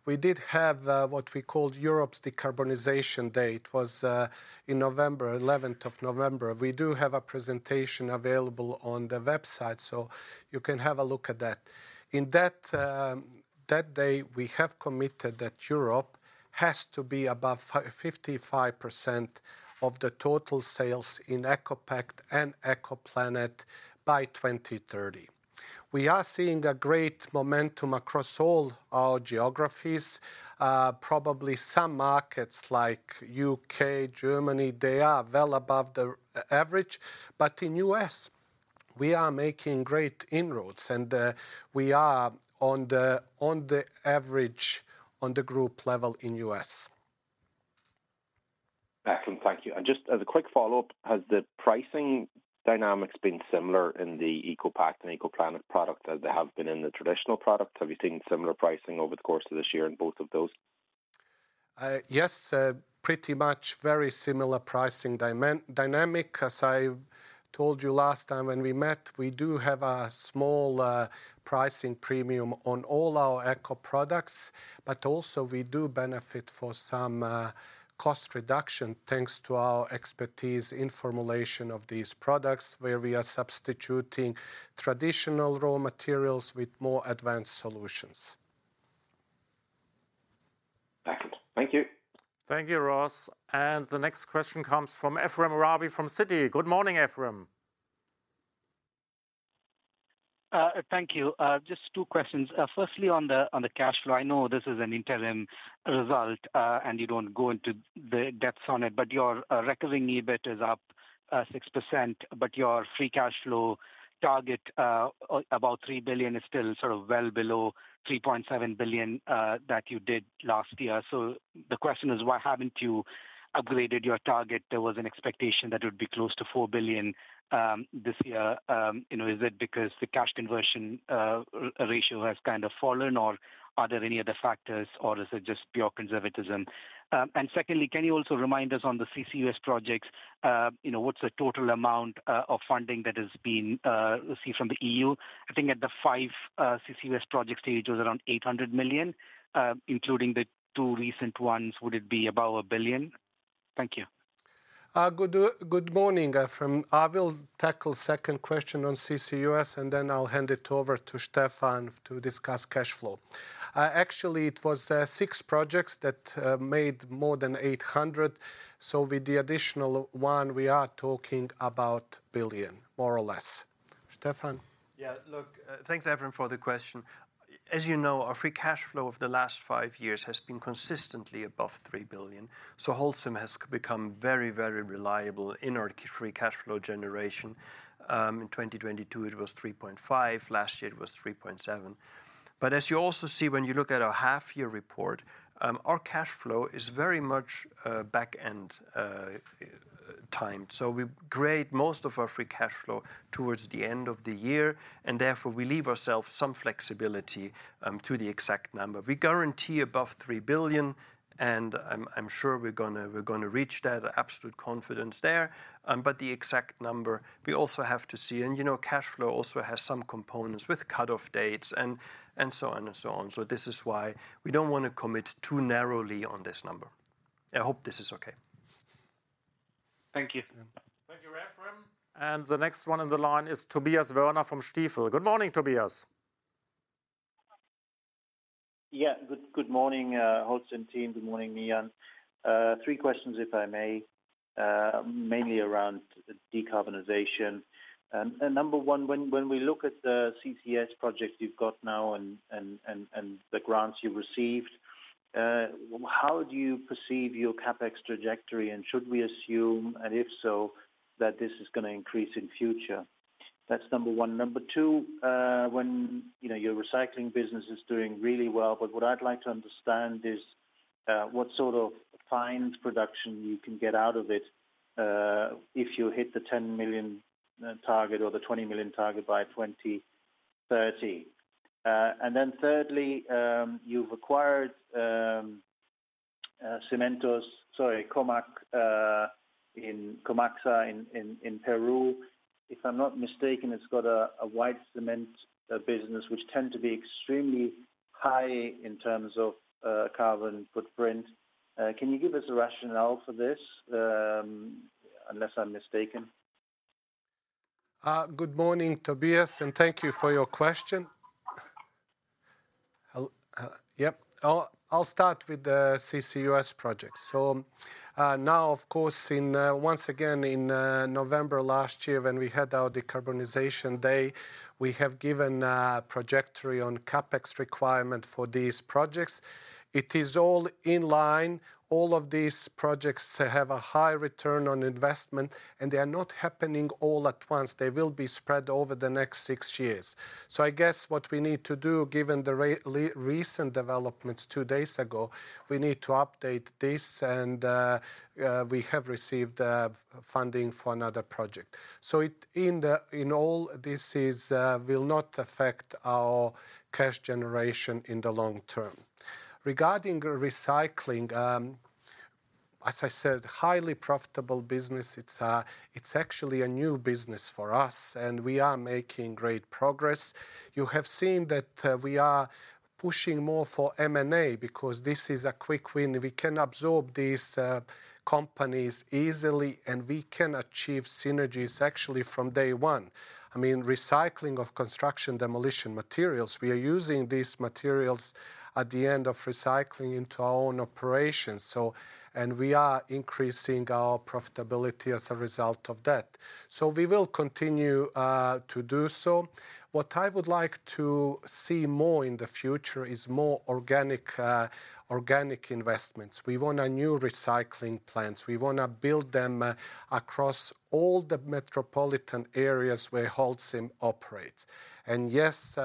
we did have what we called Europe's Decarbonization Day. It was in November, 11th of November. We do have a presentation available on the website, so you can have a look at that. In that day, we have committed that Europe has to be above 55% of the total sales in ECOPact and ECOPlanet by 2030. We are seeing a great momentum across all our geographies. Probably some markets like U.K., Germany, they are well above the average. But in U.S., we are making great inroads, and we are on the average, on the group level in U.S. Excellent. Thank you. And just as a quick follow-up, has the pricing dynamics been similar in the ECOPact and ECOPlanet product as they have been in the traditional product? Have you seen similar pricing over the course of this year in both of those? Yes, pretty much very similar pricing dynamic. As I told you last time when we met, we do have a small pricing premium on all our eco products, but also we do benefit for some cost reduction, thanks to our expertise in formulation of these products, where we are substituting traditional raw materials with more advanced solutions. Excellent. Thank you. Thank you, Ross, and the next question comes from Ephrem Ravi from Citi. Good morning, Ephrem. Thank you. Just two questions. Firstly, on the cash flow, I know this is an interim result, and you don't go into the depths on it, but your recurring EBIT is up 6%, but your free cash flow target, about 3 billion, is still sort of well below 3.7 billion that you did last year. So the question is, why haven't you upgraded your target? There was an expectation that it would be close to 4 billion this year. You know, is it because the cash conversion ratio has kind of fallen, or are there any other factors, or is it just pure conservatism? And secondly, can you also remind us on the CCUS projects, you know, what's the total amount of funding that has been received from the EU? I think at the five CCUS project stage, it was around 800 million. Including the two recent ones, would it be above 1 billion? Thank you. Good morning, Ephrem. I will tackle second question on CCUS, and then I'll hand it over to Steffen to discuss cash flow. Actually, it was six projects that made more than 800, so with the additional one, we are talking about a billion, more or less. Steffen? Yeah, look, thanks, Ephrem, for the question. As you know, our free cash flow of the last five years has been consistently above 3 billion, so Holcim has become very, very reliable in our free cash flow generation. In 2022, it was 3.5 billion. Last year, it was 3.7 billion. But as you also see when you look at our half-year report, our cash flow is very much back-end timed. So we create most of our free cash flow towards the end of the year, and therefore, we leave ourselves some flexibility to the exact number. We guarantee above 3 billion, and I'm sure we're gonna reach that. Absolute confidence there. But the exact number, we also have to see. You know, cash flow also has some components with cutoff dates and so on. So this is why we don't wanna commit too narrowly on this number. I hope this is okay. Thank you. Thank you, Ephrem. And the next one on the line is Tobias Woerner from Stifel. Good morning, Tobias. Yeah, good morning, Holcim team. Good morning, Miljan. Three questions, if I may, mainly around decarbonization. And number one, when we look at the CCUS projects you've got now and the grants you received, how do you perceive your CapEx trajectory, and should we assume, and if so, that this is gonna increase in future? That's number one. Number two, you know, your recycling business is doing really well, but what I'd like to understand is, what sort of fines production you can get out of it, if you hit the ten million target or the twenty million target by 2030. And then thirdly, you've acquired, Cementos... Sorry, Comacsa in Peru. If I'm not mistaken, it's got a white cement business, which tend to be extremely high in terms of carbon footprint. Can you give us a rationale for this, unless I'm mistaken? Good morning, Tobias, and thank you for your question. Yep. I'll start with the CCUS project. Now, of course, once again, in November last year, when we had our Decarbonization Day, we have given a trajectory on CapEx requirement for these projects. It is all in line. All of these projects have a high return on investment, and they are not happening all at once. They will be spread over the next six years. I guess what we need to do, given the recent developments two days ago, we need to update this, and we have received funding for another project. So it, in all this is, will not affect our cash generation in the long term. Regarding recycling, as I said, highly profitable business. It's actually a new business for us, and we are making great progress. You have seen that we are pushing more for M&A because this is a quick win. We can absorb these companies easily, and we can achieve synergies actually from day one. I mean, recycling of construction demolition materials, we are using these materials at the end of recycling into our own operations. So and we are increasing our profitability as a result of that. So we will continue to do so. What I would like to see more in the future is more organic investments. We want a new recycling plants. We wanna build them across all the metropolitan areas where Holcim operates. Yes,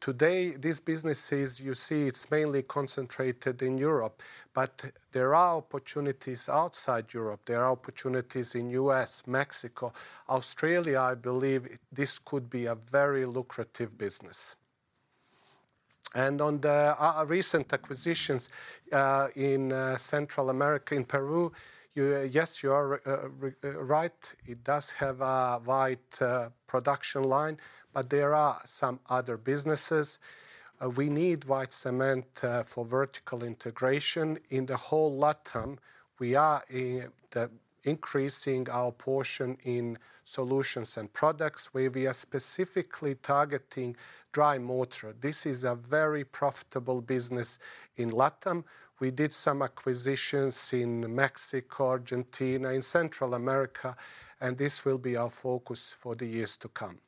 today, these businesses, you see, it's mainly concentrated in Europe, but there are opportunities outside Europe. There are opportunities in US, Mexico. Australia, I believe, this could be a very lucrative business. On our recent acquisitions in Central America, in Peru, you, yes, you are right. It does have a wide production line, but there are some other businesses. We need white cement for vertical integration. In the whole LATAM, we are increasing our portion in solutions and products, where we are specifically targeting dry mortar. This is a very profitable business in LATAM. We did some acquisitions in Mexico, Argentina, in Central America, and this will be our focus for the years to come.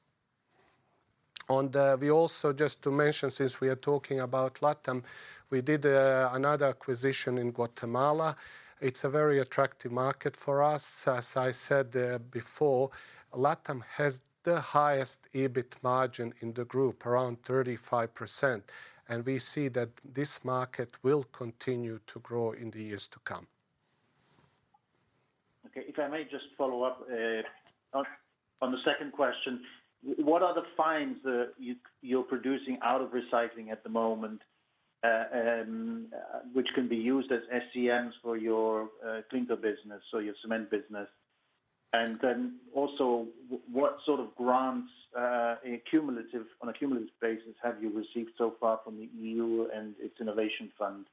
We also, just to mention, since we are talking about LATAM, we did another acquisition in Guatemala. It's a very attractive market for us. As I said, before, LATAM has the highest EBIT margin in the group, around 35%, and we see that this market will continue to grow in the years to come. Okay, if I may just follow up on the second question. What are the fines that you're producing out of recycling at the moment, which can be used as SCMs for your cleaner business, so your cement business? And then also, what sort of grants, in cumulative, on a cumulative basis, have you received so far from the EU and its Innovation Fund?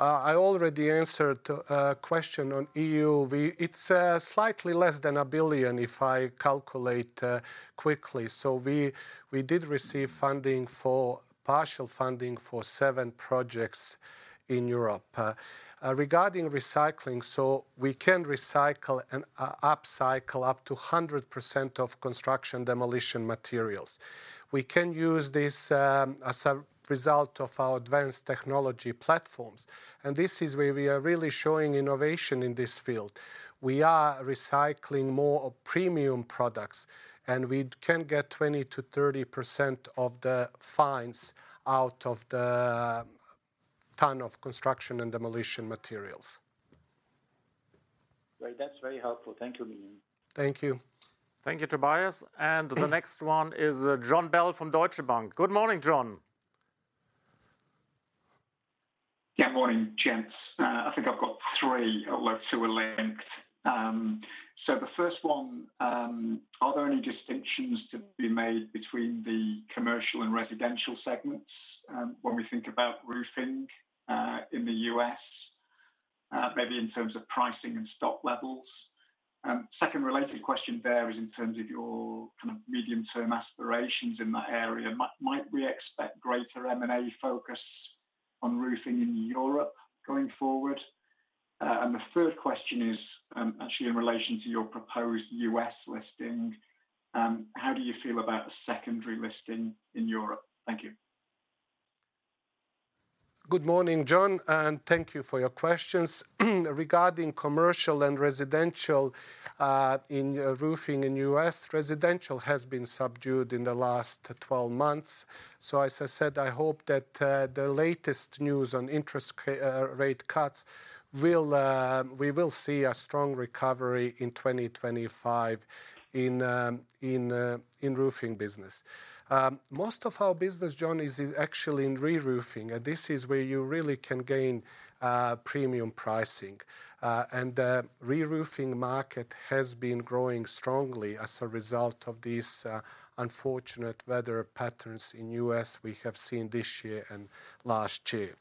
I already answered a question on EU. It's slightly less than a billion, if I calculate quickly. So we did receive partial funding for seven projects in Europe. Regarding recycling, so we can recycle and upcycle up to 100% of construction and demolition materials. We can use this as a result of our advanced technology platforms, and this is where we are really showing innovation in this field. We are recycling more premium products, and we can get 20%-30% of the fines out of the ton of construction and demolition materials. Great. That's very helpful. Thank you, Miljan Thank you. Thank you, Tobias. And the next one is, Jon Bell from Deutsche Bank. Good morning, Jon. Yeah, morning, gents. I think I've got three, two are linked. So the first one, are there any distinctions to be made between the commercial and residential segments, when we think about roofing, in the U.S., maybe in terms of pricing and stock levels? Second related question there is in terms of your kind of medium-term aspirations in that area. Might, might we expect greater M&A focus on roofing in Europe going forward? And the third question is, actually in relation to your proposed U.S. listing. How do you feel about the secondary listing in Europe? Thank you. Good morning, Jon, and thank you for your questions. Regarding commercial and residential in roofing in U.S., residential has been subdued in the last 12 months. As I said, I hope that the latest news on interest rate cuts will we see a strong recovery in 2025 in roofing business. Most of our business, Jon, is actually in reroofing. This is where you really can gain premium pricing. And the reroofing market has been growing strongly as a result of these unfortunate weather patterns in U.S. we have seen this year and last year.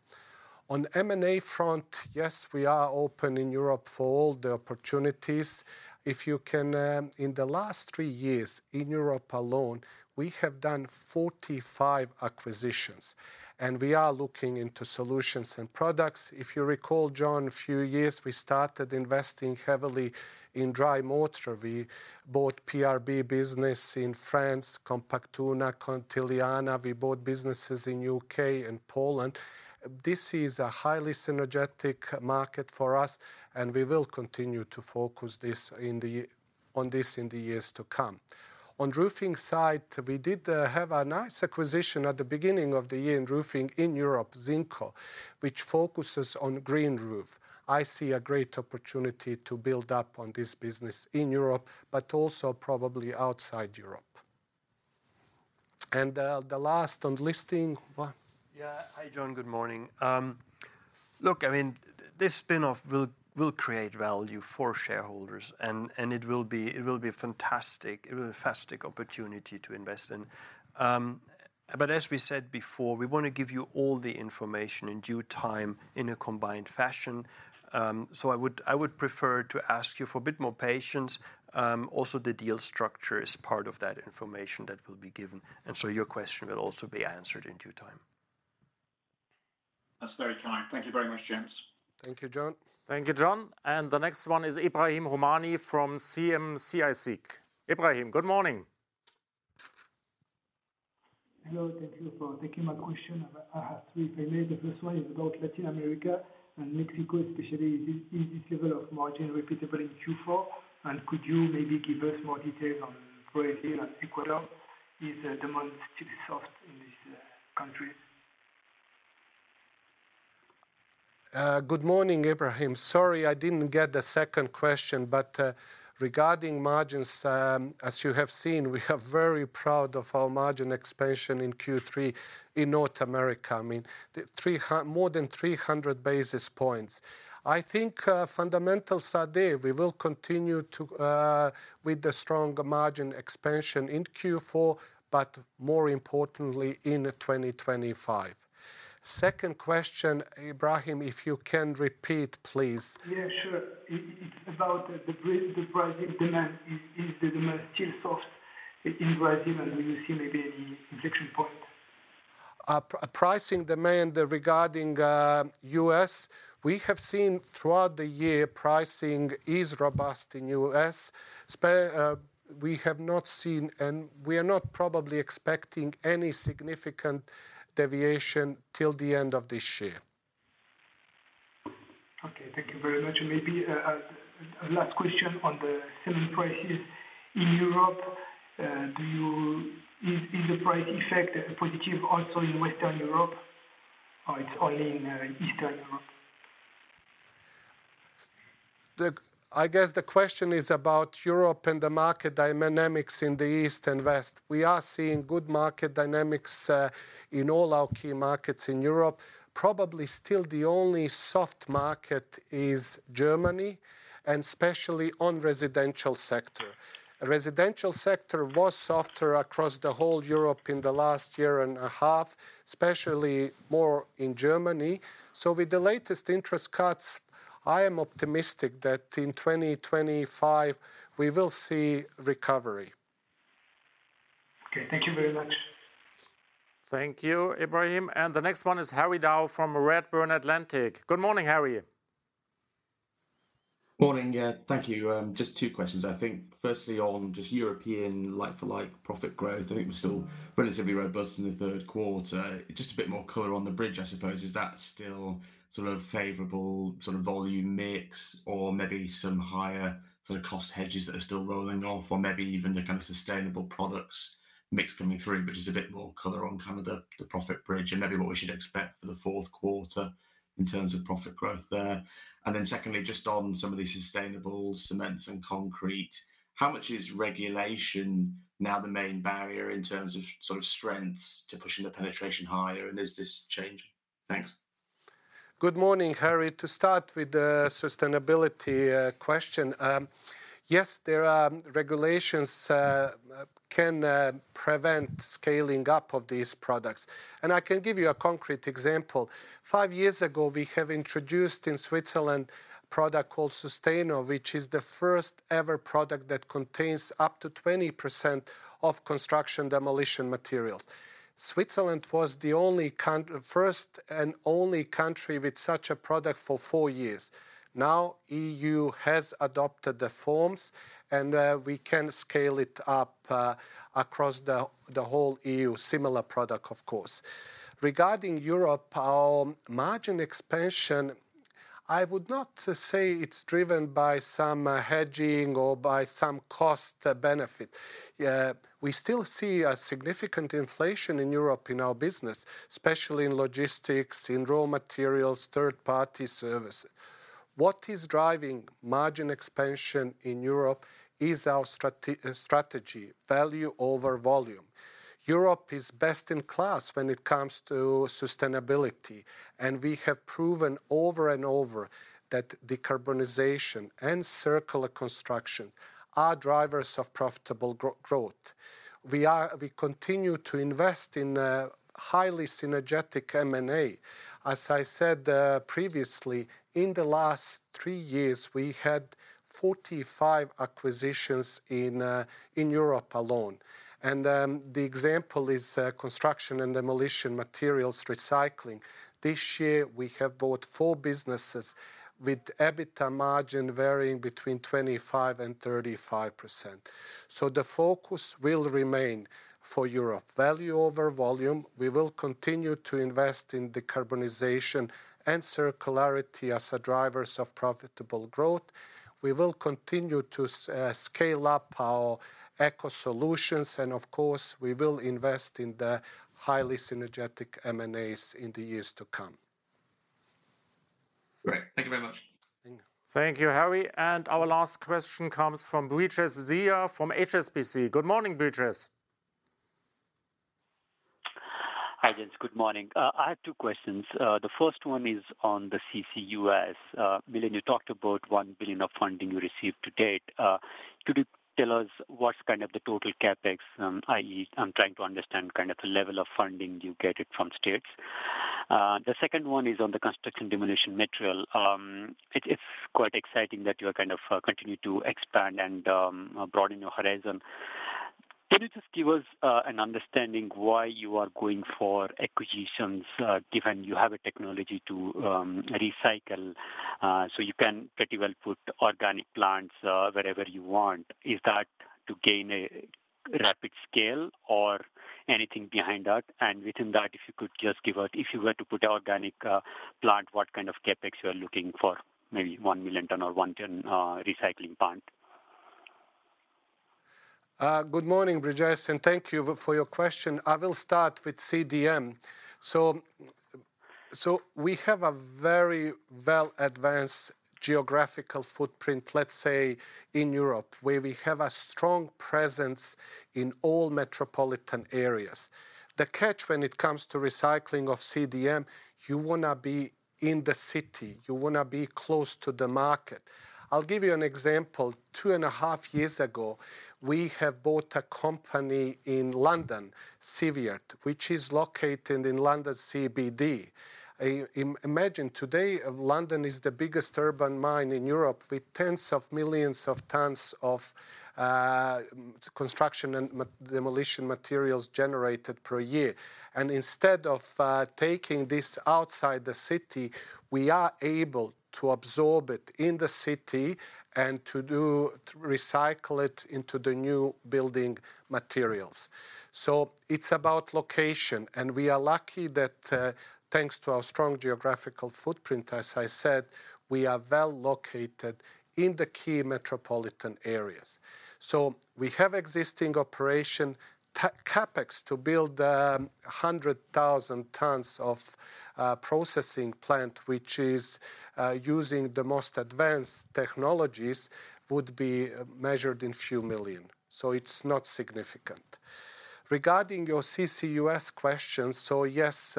On M&A front, yes, we are open in Europe for all the opportunities. If you can, in the last three years, in Europe alone, we have done 45 acquisitions, and we are looking into solutions and products. If you recall, Jon, a few years ago we started investing heavily in dry mortar. We bought PRB business in France, Compaktuna, Cantillana. We bought businesses in UK and Poland. This is a highly synergetic market for us, and we will continue to focus on this in the years to come. On roofing side, we did have a nice acquisition at the beginning of the year in roofing in Europe, ZinCo, which focuses on green roof. I see a great opportunity to build up on this business in Europe, but also probably outside Europe. And the last on listing, what? Yeah. Hi, Jon, good morning. Look, I mean, this spin-off will create value for shareholders, and it will be a fantastic opportunity to invest in. But as we said before, we wanna give you all the information in due time in a combined fashion. So I would prefer to ask you for a bit more patience. Also, the deal structure is part of that information that will be given, and so your question will also be answered in due time. That's very kind. Thank you very much, gents. Thank you, Jon. Thank you, Jon, and the next one is Ebrahim Homani from CIC. Ebrahim, good morning. Hello, thank you for taking my question. I have three. The first one is about Latin America and Mexico especially. Is this level of margin repeatable in Q4? And could you maybe give us more detail on Brazil and Ecuador? Is the demand still soft in these countries? Good morning, Ebrahim. Sorry, I didn't get the second question, but regarding margins, as you have seen, we are very proud of our margin expansion in Q3 in North America. I mean, more than 300 basis points. I think fundamentals are there. We will continue to with the strong margin expansion in Q4, but more importantly, in 2025. Second question, Ebrahim, if you can repeat, please. Yeah, sure. It's about the Brazil demand. Is the demand still soft in Brazil, and do you see maybe any inflection point? Pricing demand regarding U.S., we have seen throughout the year, pricing is robust in U.S. We have not seen, and we are not probably expecting any significant deviation till the end of this year. Okay, thank you very much. Maybe a last question on the selling prices in Europe. Is the price effect positive also in Western Europe, or it's only in Eastern Europe? I guess the question is about Europe and the market dynamics in the East and West. We are seeing good market dynamics in all our key markets in Europe. Probably still the only soft market is Germany, and especially on residential sector. Residential sector was softer across the whole Europe in the last year and a half, especially more in Germany. So with the latest interest cuts, I am optimistic that in 2025 we will see recovery. Okay. Thank you very much. Thank you, Ebrahim, and the next one is Harry Goad from Redburn Atlantic. Good morning, Harry. Morning. Yeah, thank you. Just two questions. I think firstly on just European like-for-like profit growth, I think it was still relatively robust in the third quarter. Just a bit more color on the bridge, I suppose. Is that still sort of favorable sort of volume mix, or maybe some higher sort of cost hedges that are still rolling off, or maybe even the kind of sustainable products mix coming through? But just a bit more color on kind of the profit bridge and maybe what we should expect for the fourth quarter in terms of profit growth there. And then secondly, just on some of the sustainable cements and concrete, how much is regulation now the main barrier in terms of sort of strengths to pushing the penetration higher, and is this changing? Thanks. Good morning, Harry. To start with the sustainability question, yes, there are regulations that can prevent scaling up of these products, and I can give you a concrete example. Five years ago, we have introduced in Switzerland a product called Susteno, which is the first-ever product that contains up to 20% of construction demolition materials. Switzerland was the first and only country with such a product for four years. Now, the EU has adopted the norms, and we can scale it up across the whole EU. Similar product, of course. Regarding Europe, our margin expansion, I would not say it's driven by some hedging or by some cost benefit. We still see a significant inflation in Europe in our business, especially in logistics, in raw materials, third-party services. What is driving margin expansion in Europe is our strategy, value over volume. Europe is best in class when it comes to sustainability, and we have proven over and over that decarbonization and circular construction are drivers of profitable growth. We continue to invest in highly synergistic M&A. As I said previously, in the last three years, we had 45 acquisitions in Europe alone, and the example is construction and demolition materials recycling. This year we have bought four businesses with EBITDA margin varying between 25%-35%. So the focus will remain for Europe, value over volume. We will continue to invest in decarbonization and circularity as the drivers of profitable growth. We will continue to scale up our eco solutions, and of course, we will invest in the highly synergistic M&As in the years to come. Great. Thank you very much. Thank you, Harry. And our last question comes from Brijesh Siya from HSBC. Good morning, Brijesh. Hi, gents. Good morning. I have two questions. The first one is on the CCUS. Miljan, you talked about one billion of funding you received to date. Could you tell us what's kind of the total CapEx, i.e., I'm trying to understand kind of the level of funding you get it from states? The second one is on the construction demolition material. It's quite exciting that you are kind of continue to expand and broaden your horizon. Can you just give us an understanding why you are going for acquisitions, given you have a technology to recycle, so you can pretty well put organic plants wherever you want? Is that to gain a rapid scale or anything behind that? And within that, if you could just give out, if you were to put organic plant, what kind of CapEx you are looking for, maybe one million ton or one ton recycling plant? Good morning, Brijesh, and thank you for your question. I will start with CDM. We have a very well-advanced geographical footprint, let's say, in Europe, where we have a strong presence in all metropolitan areas. The catch when it comes to recycling of CDM, you want to be in the city, you want to be close to the market. I'll give you an example. Two and a half years ago, we have bought a company in London, Sivyer, which is located in London CBD. Imagine today, London is the biggest urban mine in Europe, with tens of millions of tons of construction and demolition materials generated per year. And instead of taking this outside the city, we are able to absorb it in the city and to recycle it into the new building materials. So it's about location, and we are lucky that, thanks to our strong geographical footprint, as I said, we are well located in the key metropolitan areas. So we have existing operation. CapEx to build 100,000 tons of a processing plant, which is using the most advanced technologies, would be measured in few million CHF, so it's not significant. Regarding your CCUS question, so yes,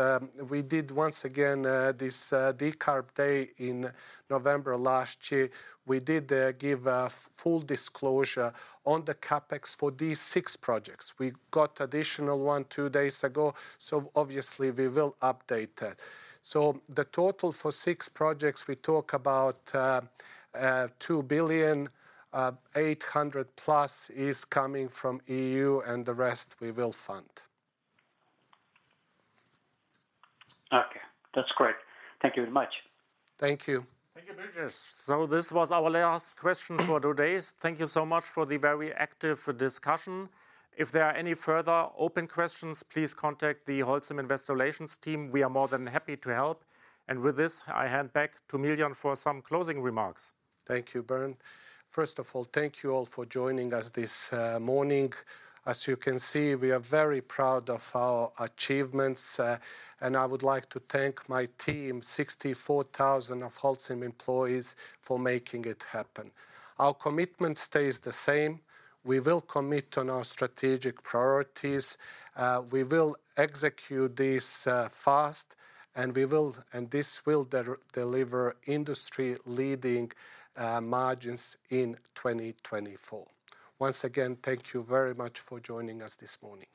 we did once again this Decarb Day in November last year. We did give a full disclosure on the CapEx for these six projects. We got additional one two days ago, so obviously we will update that. So the total for six projects, we talk about 2 billion, 800 plus is coming from EU, and the rest we will fund. Okay. That's great. Thank you very much. Thank you. Thank you, Brijesh. So this was our last question for today. Thank you so much for the very active discussion. If there are any further open questions, please contact the Holcim Investor Relations team. We are more than happy to help, and with this, I hand back to Miljan for some closing remarks. Thank you, Bernd. First of all, thank you all for joining us this morning. As you can see, we are very proud of our achievements, and I would like to thank my team, 64,000 of Holcim employees, for making it happen. Our commitment stays the same. We will commit on our strategic priorities, we will execute this fast, and this will deliver industry-leading margins in 2024. Once again, thank you very much for joining us this morning.